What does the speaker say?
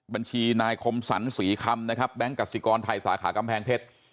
บัญชีนายคมสรรศรีคำนะครับแก๊งกสิกรไทยสาขากำแพงเพชร